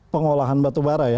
pengolahan batu bara ya